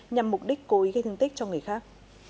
nhằm mục đích cố ý gây thương tích cho người khác